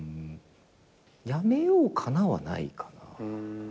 やめようかなはないかな。